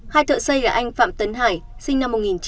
hai thợ xây là anh phạm tấn hải sinh năm một nghìn chín trăm tám mươi